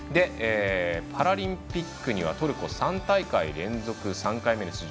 パラリンピックにはトルコ３大会連続３回目の出場。